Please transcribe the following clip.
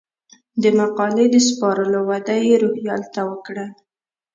د مقالې د سپارلو وعده یې روهیال ته وکړه.